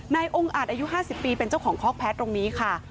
องค์อาจอายุ๕๐ปีเป็นเจ้าของคอกแพ้ตรงนี้ค่ะ